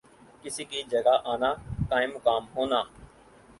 کسی کی جگہ آنا، قائم مقام ہونا